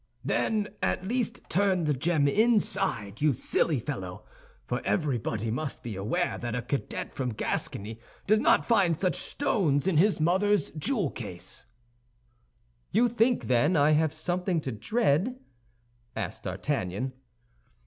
"Then, at least turn the gem inside, you silly fellow; for everybody must be aware that a cadet from Gascony does not find such stones in his mother's jewel case." "You think, then, I have something to dread?" asked D'Artagnan.